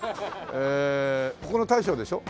えここの大将でしょ？